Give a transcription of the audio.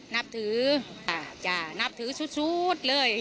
นับถือจ้านับถือสุดเลย